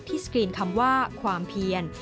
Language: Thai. สกรีนคำว่าความเพียน